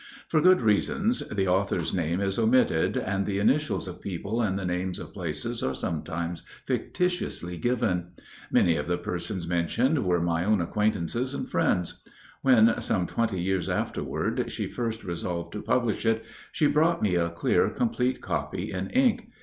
For good reasons the author's name is omitted, and the initials of people and the names of places are sometimes fictitiously given. Many of the persons mentioned were my own acquaintances and friends. When, some twenty years afterward, she first resolved to publish it, she brought me a clear, complete copy in ink.